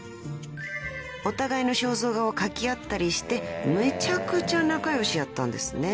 ［お互いの肖像画を描き合ったりしてめちゃくちゃ仲良しやったんですね］